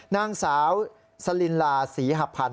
นางสาวสลินลาศรีหพันธ์